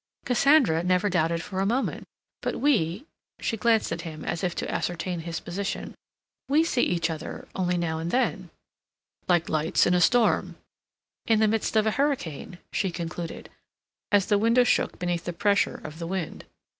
"Cassandra never doubted for a moment. But we—" she glanced at him as if to ascertain his position, "we see each other only now and then—" "Like lights in a storm—" "In the midst of a hurricane," she concluded, as the window shook beneath the pressure of the wind.